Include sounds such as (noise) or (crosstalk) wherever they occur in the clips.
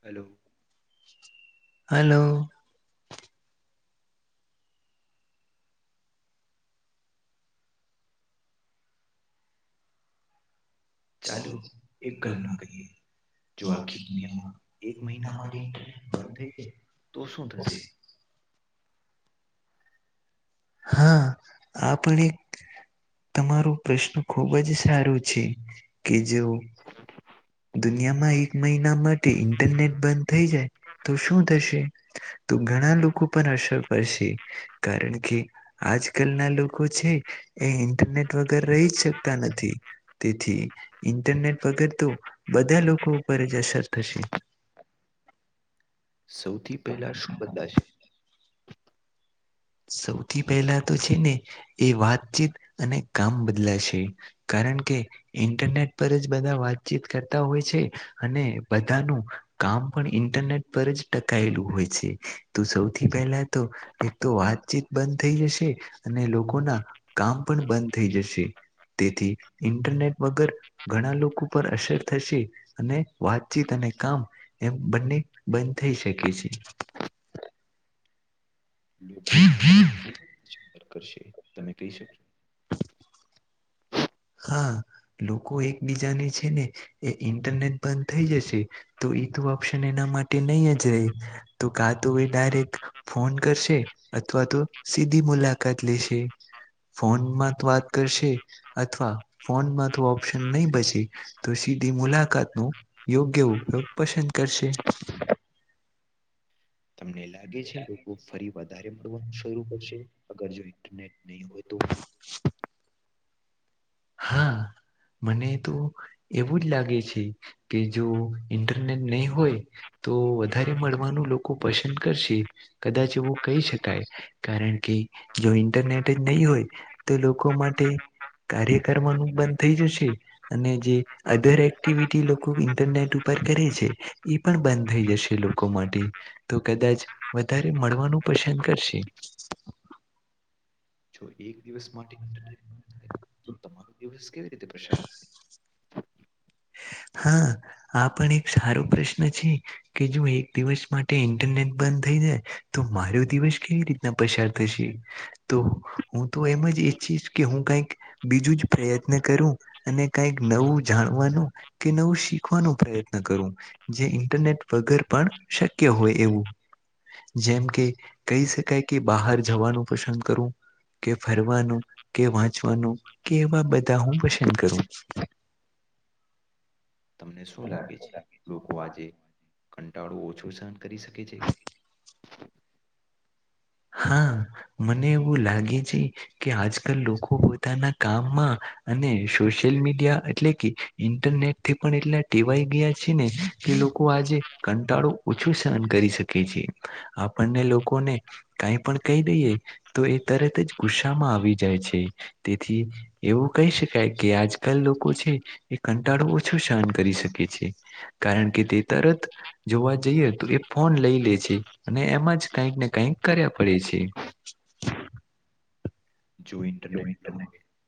Hello. Hello. ચાલો ચાલુ એક કલ ન કરી. જો આખી કરીએ દુનિયામાં એક તો મહિનામાં એક આખી દુનિયામાં થઈ. એક મહિના તું માટે ઇન્ટરનેટ બંધ શુંતા છી રહેશે. હા આપ એક. તમારો પ્રશ્ન ખુબ જ સારું છે કે જો. દુનિયામાં એક મહિના માટે ઇન્ટરનેટ બંધ થઇ જાય. તો શું થશે તો ઘણા લોકો પણ અસર. શે કારણ કે આજ કલ ના લોકો છે એ ઇન્ટરનેટ. વગ રહીકતા નથી તેથી ઇન્ટરનેટ વગર તો બધા લોકો. ખૂબબજશે તશે. સૌથી પહેલા શું બદલા છે. સૌથી પહેલા તો છે ને એ વાતચીત અને કામ બદલાશે. કારણ કે ઇન્ટરનેટ પર જ બધા વાતચીત કરતા હોય છે અને બધાનું. કામ પણ ઇન્ટરનેટ પર જ ટકાયેલું હોય છે તો સૌથી પહેલા તો. તો વાતચીત બંધ થઈ જશે અને લોકોના કામ પણ બંધ થઈ જશે. તેથી ઇન્ટરનેટ વગર ઘણા લોકો પર અસર થશે અને વાતચીત અને, કામ એમ બંને બંધ થઈ શકે છે. લોકો કરશે તમે કહી શકશો. શકશો હા લોકો એકબીજાને છે ને એ ઇન્ટરનેટ બંધ થઈ જશે. તો એ તોું ઓપ્શન એના માટે. નહી જ ર તો કા તો એ ડાયરેક્ટ ફોન કરશે અથવા તો સીધી. મુલાકાત લેશે ફોનમાં તો વાત કરશે અથવા. ફોનમાં ઓપ્શન નહી બચે તો સીધી મુલાકાત નો યોગ્ય ઉપયોગ પસંદ કર. પછ. ફ વધવાનું કર અગર જો રનેટ. નહી હોય તોું. હા મને તો એવું જ લાગે છે કે જો ઇન્ટરનેટ. નહી હોય. તો વધારે મળવાનું લોકો પસંદ કરશે કદાચ એવું કહી શકાય કારણ. કે જો ઇન્ટરનેટ જ નહી હોય તો લોકો માટે કાર્ય. બ જ અ્ટ. રટ ઉપર કરે છે એ પણ બંધ થઈ જશે લોકો માટે તો કદાચ વધારે. મળવાનું પસંદ કરશે. જો એક દિવસ માટે. હોય તો તમારો દિવસ કેવી રીતે પસાર થશે હા, આ પણ એક સારો પ્રશ્ન છે. કે જો, એક દિવસ માટે ઇન્ટરનેટ બંધ થઈ જાય તો મારો દિવસ કેવી રીતના પસાર થશે, તો હુ તો એમ જ ઈચ્છીશ કે હુ, કંઈક બીજુ જ પ્રયત્ન કરું અને કઈક નવુ જાણવાનુ કે નવું શીખવાનું પ્રયત્ન કરુ જે ઇન્ટરનેટ વગર પણ શક્ય હોય, એવુ જેમ કે કહી શકાય કે બહાર જવાનુ, પસંદ કરુ કે ફરવાનું કે વાંચવાનું કે એવા બધા હુ, પસંદ કરુ તમને શું લાગે છે, લોકો આજે કંટાળો ઓછો સહન કરી શકે છે. હા, મને એવું લાગે છે. કે આજકાલ લોકો પોતાના, કામમા અને સોશિયલ મીડિયા એટલે કે ઇન્ટરનેટ થી, પણ એટલા ટીવાઈ ગયા. છેને, તે લોકો આજે કંટાળો ઓછો સહન કરી શકે છે. આપણને લોકો ને કઈ પણ કહી દઈએ, તો એ તરત જ ગુસ્સામાં આવી જાય છે તેથી એવુ કહી શકાય કે આજકાલ લોકો છે. એ કંટાળું ઓછું શહન કરી શકે છે, કારણ કે તે તરત જોવા જઈએ તો એ ફોન લઈ લે છે, અને એમાં જ કઈક ને કઈક કર્યા પડે છે. જો ઇન્ટરનેટ,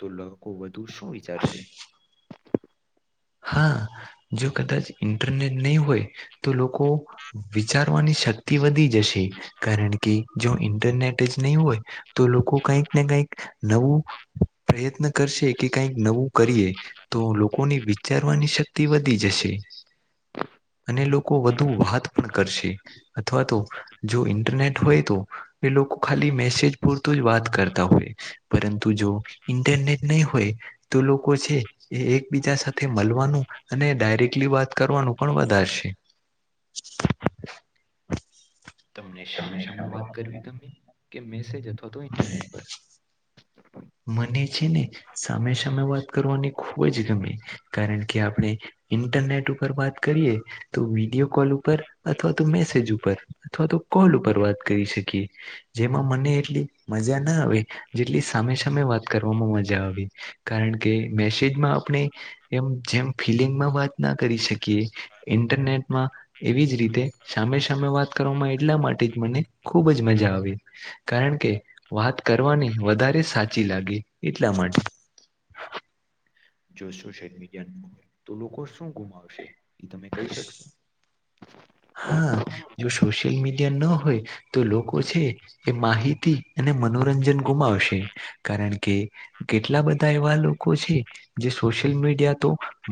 તો લોકો વધુ શું વિચારશે હા, જો કદાચ ઇન્ટરનેટ નહી, હોય તો લોકો વિચારવાની શક્તિ, વધી જશે કારણ કે જો ઇન્ટરનેટ જ નહી, હોય. તો લોકો કઈક ને કઈક નવું પ્રયત્ન કરશે કે કઈક નવુ કરીએ, તો લોકોની વિચારવાની શક્તિ વધી જશે અને લોકો વધુ વાત પણ કરશે અથવા તો જો ઇન્ટરનેટ હોય, તો એ લોકો ખા મેસેજ પૂરતો જ વાત કરતા હોય પરંતુ જો ઇન્ટરનેટ નહી, હોય. તો લોકો છે, એ એકબીજા મળવાનુ, અને ડાયરેક્ટલી વાત કરવાનું પણ વધારે છે. તમને સામે સામે વાત કરવી, ગમે કે મેસેજ અથવા તો ઇન્ટરનેટ મને છેને, સામે સામે વાત કરવાની ખુબ જ ગમે કારણ કે આપણે ઇન્ટરનેટ ઉપત કરીએ, તો વિડીયો કોલ ઉપર અથવા તો મેસેજ ઉપર અથવા તો કો ત કરી શકી જેમા, મને એટલી મજા ના આવે જે સામે સામે વાત કરવામા મજા, આવી કારણ કે મેસેજમાં આપણે એમ જેમ ત ના કરી શકી ઇન્ટરનેટમા એવી જ રીતે સામે સામે વાત કરો ટલા માટે મને ખુબજ મજા, આવી કારણ કે વાત કરવાની વધારે સાચી લાગે એટલા માટે જો સોશિયલ મીડિયા ન હોય હ તો લોકો, શું ગુમાવશે એ તમે કહી શકશો હા જો સોશિયલ મીડિયા ના હોય, તો લોકો છે, એ માહિતી અને મનોર રંજન ગુમાવશે કારણ કે કેટલા બધા એવા લોકો છે, જે સોશિયલ મી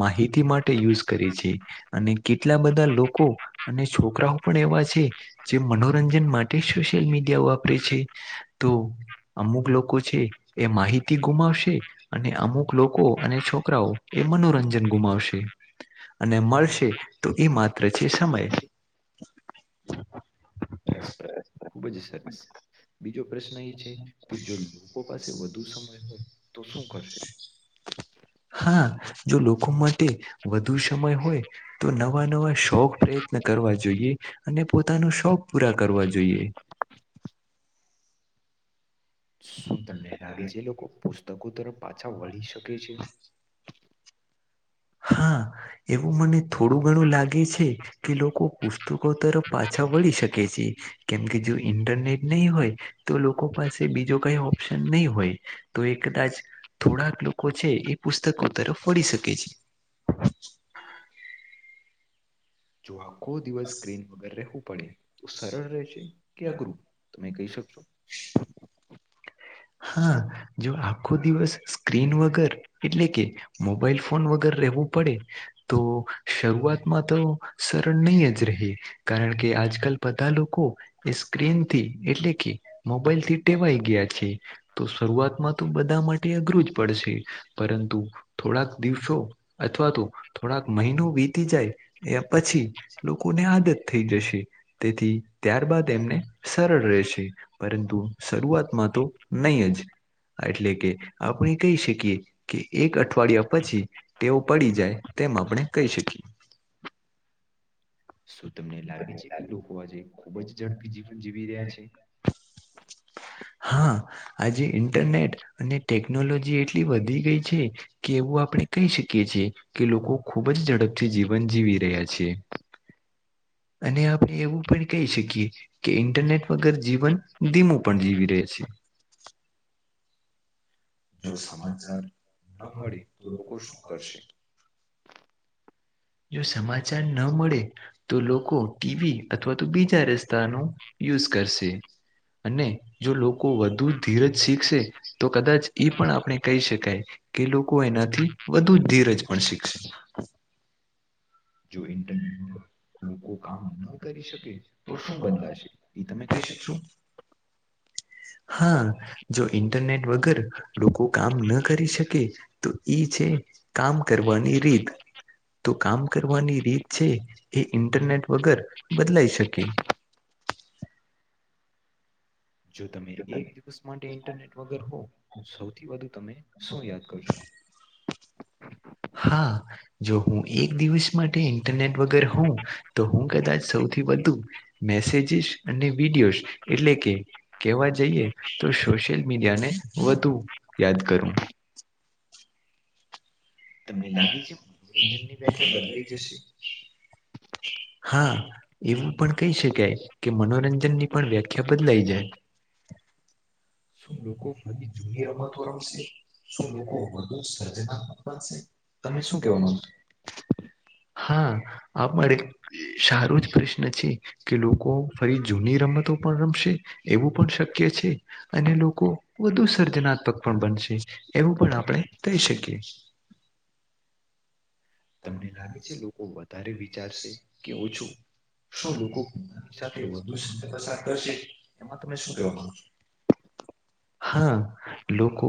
માહિતી માટે યુઝ કરે છે, અને કેટલા બધા લોકો અને છોકરાઓ પણ એવા છે, જે મનોરંજન માટે સોશિયલ મીડિયા વાપરે છે. અમુક લોકો છે, એ માહિતી ગુમાવશે અને અમુક લોકો અને છોક છોકરાઓ એ મનોરંજન ગુમાવશે અને મળશે તો એ માત્ર છે, સમય રસપ્રદ ખુબ જ સરસ બી બજ પ્રશ્ન એ છે, કે જો લોકો પાસે વધુ સમય હોય, તો શું કરશે (inaudible) હા જો લોકો માટે વધુ સમય હોય તો નવા નવા શોખ પ્રયત ન કરવા જોઈએ અને પોતાનું શોખ પૂરા કરવા જોઈએ (inaudible) કે જે લોકો પુસ્તકો તરફ પાછા વળી શકે છે. હા. એવું મને થોડું ગણું લાગે છે, કે લોકો પુસ્તકો તરફ પાછા વળી શકે છે. કેમકે જો ઇન્ટરનેટ નહી હોય તો લોકો પાસે બીજો કઈ ઓપ્શન નહી હોય તો એ કદાચ થોડાક લોકો છે, એ પુસ્તકો તરફ વળી શકે છે. ખો દિવસ સ્ક્રીન વગર રહેવું પડે તો સરળ રહેશે કે અઘરું તમે કહી શકશો? (inaudible) હા જો આખો દિવસ સ્ક્રીન વગર એટલે કે મોબાઈલ ફોન વગર રેહવું પડે તો શરૂઆતમાં તો સરળ નીય જ રહે કારણ કે આજકાલ બધા લોકો એ સ્ક્રીનથી એટલે કે મોબાઈલથી ટેવાઈ ગયા છે. તો શરૂઆતમાં તો બધા માટે અઘરું જ પડશે પરંતુ થોડાક દિવસો અથવા તો થોડાક મહિનો વીતી જાય એ પછી લોકોને આદત થઈ જશે તેથી ત્યારબાદ એમને સરળ રહે છે, પરંતુ શરૂઆતમાં તો નય જ એટલે કે આપણે કહી શકીએ કે એક અઠવાડિયા પછી તેઓ પડી જાય તેમ આપણે કહી શકીએ શું તમને લાગે છે, કે લોકો આજે ખુબ જ ઝડપી જીવન જીવી રહ્યા છે. હા આજે ઇન્ટરનેટ અને ટેકનોલોજી એટલી વધી ગઈ છે કે એવું આ આપણે કહી શકીએ છીએ કે લોકો ખૂબ જ ઝડપથી જીવન જીવી રહ્યા છે. (inaudible) અને આપણે એવું પણ કહી શકીએ કે ઇન્ટરનેટ વગર જીવન ધીમું પણ જીવી શકીએ છે. જો સમાચાર ન મળે તો લોકો શું કરશે? (inaudible) જો સમાચાર ન મળે તો લોકો ટીવી અથવા તો બીજા રસ્તાનો યુઝ કરશે અને જો લોકો વધુ ધીરજ શીખશે તો કદાચ ઈ પણ આપણે કહી શકાય કે લોકો એનાથી વધુ ધીરજ પણ શીખશે જો ઇન્ટરનેટ લોકો કામ કરી શકે તો શું બદલાશે એ તમે કહી શકશો? હા જો ઇન્ટરનેટ વગર લોકો કામ ન કરી શકે તો ઈ એ કામ કરવાની રીત તો કામ કરવાની રીત છે, એ ઇન્ટરનેટ વગર બદલાઈ શકે (inaudible) જો તમે એક દિવસ માટે ઇન્ટરનેટ વગર હો સૌથી વધુ તમે શું યાદ કરશો? (inaudible) હા. જો હું એક દિવસ માટે ઇન્ટરનેટ વગર હોઉ તો હું કદાચ સૌથી વધુ મેસેજીસ અને વિડીયોઝ એટલે કે કેહેવા જઈએ તો સોશિયલ મીડિયાને વધુ યાદ કરું તમને લાગે છે મનોરંજનની વ્યાખ્યા બદલાઈ જશે (inaudible) હા એવું પણ કહી શકાય કે મનોરંજનની પણ વ્યાખ્યા બદલાઈ જાય (unintelligible) શું લોકો બધી જૂની રમતો રમશે શું લોકો સર્જનાત્મક બનશે? તમે શું કેવા માંગો છો? હા આપ માટે સારો જ પ્રશ્ન છે, કે લોકો ફરી જૂની રમત તો પણ રમશે એવું પણ શક્ય છે. અને લોકો વધુ સર્જનાત્મક પણ બનશે એવું પણ આપણે કહી શકીએ. (inaudible) તમને લાગે છે લોકો છે વધારે અને વિચાર વિચારશે કે છે શું ઓછું શું લોકો પોતાની સાથે વધુ સમય પસાર કરશે એમાં તમે શું કહેવા કેવાનું. માંગો છો હા. લોકો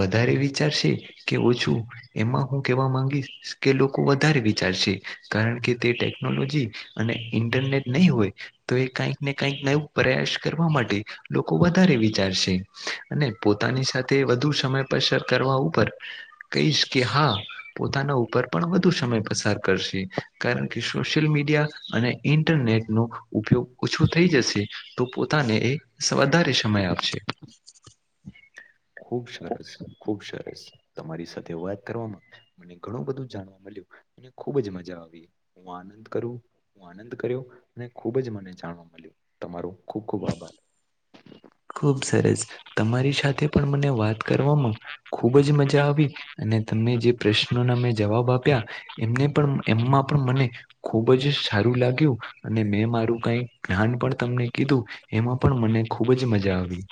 વધારે વિચારશે કે ઓછું એમાં હું કેવા માંગીશ કે લોકો વધારે વિચારશે કારણ કે તે ટેકનોલોજી અને ઇન્ટરનેટ નહી હોય તો એ કઈક ને કઈક નવું પ્રયાસ કરવા માટે લોકો વધારે વિચારશે અને પોતે પોતાની સાથે વધુ સમય પસર કરવા ઉપર કહીશ કે હા પોતાના ઉપર પણ વધુ સમય પસાર કરશે કારણ કે સોશિયલ મીડિયા અને ઇન્ટરનેટનુ ઉપયોગ ઉપયોગ ઓછો થઈ જશે તો પોતાને એ વધારે સમય આપશે. (inaudible) ખુબ સરસ. ખુબ સરસ. તમારી સાથે વાત કરવામાં મને ઘણું બધું જાણવા મળ્યું અને ખુબ જ મજા આવી. હું વાત અંત કરુ. આનંદ કર્યો અને ખૂબ જ મને જાણવા મળ્યું તમારો ખૂબ ખૂબ આભાર. ખુબ સરસ. તમારી સાથે પણ મને વાત કરવામાં ખૂબ જ મજા આવી અને તમે મે જે પ્રશ્નોના મેં જવાબ આપ્યા એને એમમાં પણ મને ખુબ જ સારું લાગ અને મે મારું કઈ ધ્યાન પણ તમને કીધું એમાં પણ મને ખૂબ જ મજા આવી.